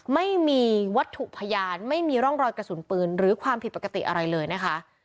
ไม่มีวัตถุพยานไม่มีร่องรอยกระสุนปืนหรือความผิดปกติอะไรเลยนะคะ